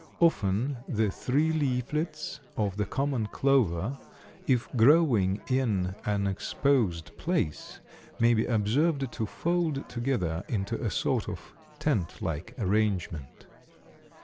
Often the three leaflets of the common clover, if growing in an exposed place, may be observed to fold together into a sort of tent like arrangement.